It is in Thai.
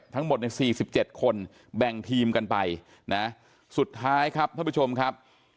ทั้งหมดใน๔๗คนแบ่งทีมกันไปนะสุดท้ายครับท่านผู้ชมครับ